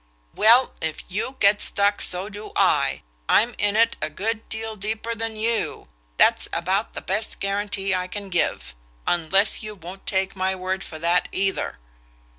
"Well, if you get stuck so do I. I'm in it a good deal deeper than you. That's about the best guarantee I can give; unless you won't take my word for that either."